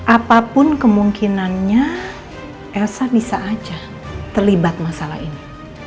apapun kemungkinannya elsa bisa aja terlibat masalah ini